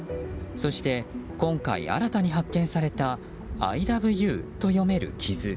そして、今回新たに発見された「ＩＬＯＶＥＹＯＵ」と読める傷。